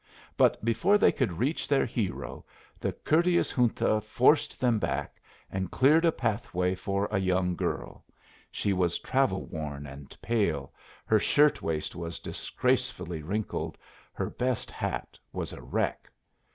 But before they could reach their hero the courteous Junta forced them back, and cleared a pathway for a young girl. She was travel worn and pale, her shirt waist was disgracefully wrinkled, her best hat was a wreck.